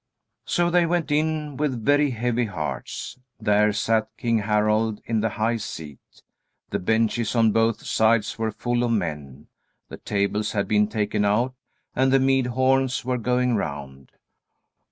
So they went in with very heavy hearts. There sat King Harald in the high seat. The benches on both sides were full of men. The tables had been taken out, and the mead horns were going round.